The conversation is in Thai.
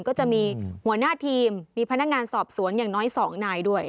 ก็จะมีหัวหน้าทีมมีพนักงานสอบสวนอย่างน้อย๒นายด้วย